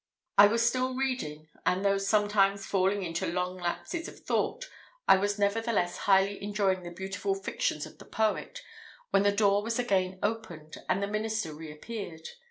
I was still reading; and, though sometimes falling into long lapses of thought, I was nevertheless highly enjoying the beautiful fictions of the poet, when the door was again opened, and the minister re appeared.